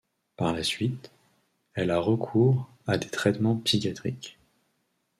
Par la suite, elle a recours à des traitements psychiatriques.